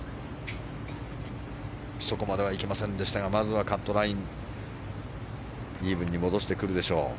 そこまでは行きませんでしたがまずはカットラインイーブンに戻してくるでしょう。